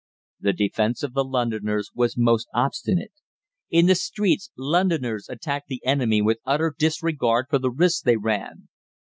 The defence of the Londoners was most obstinate. In the streets, Londoners attacked the enemy with utter disregard for the risks they ran.